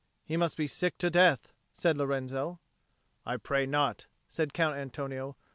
"He must be sick to death," said Lorenzo. "I pray not," said Count Antonio.